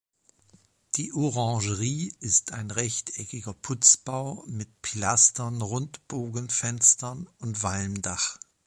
Die Orangerie ist ein rechteckiger Putzbau mit Pilastern, Rundbogenfenstern und Walmdach.